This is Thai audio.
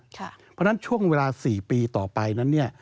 เพราะฉะนั้นช่วงเวลา๔ปีต่อไปนั้นเนี่ย